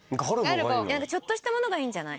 ちょっとしたものがいいんじゃない？